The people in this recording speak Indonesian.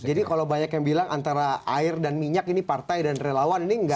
jadi kalau banyak yang bilang antara air dan minyak ini partai dan relawan ini enggak